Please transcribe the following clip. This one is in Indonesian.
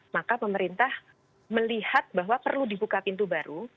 maka pemerintah melihat bahwa perlu dibuka pintu baru